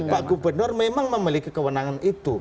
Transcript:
pak gubernur memang memiliki kewenangan itu